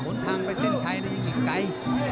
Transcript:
หนทางไปเซ็นชัยยังมีไกล